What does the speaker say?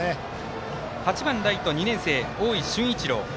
８番ライト、２年生大井駿一郎。